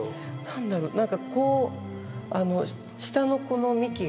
何だろう何かこう下のこの幹が。